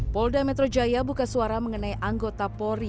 polda metro jaya buka suara mengenai anggota polri